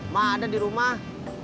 ma ada di rumah